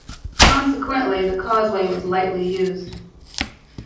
Consequently, the causeway was lightly used.